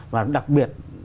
và đặc biệt